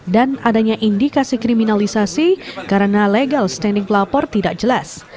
dan adanya indikasi kriminalisasi karena legal standing pelapor tidak jelas